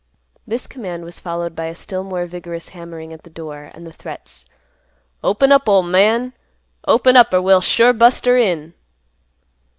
This command was followed by a still more vigorous hammering at the door, and the threats, "Open up ol' man. Open up, or we'll sure bust her in."